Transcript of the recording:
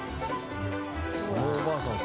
このおばあさん